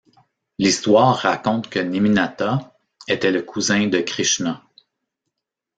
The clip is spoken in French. L'histoire raconte que Neminatha était le cousin de Krishna.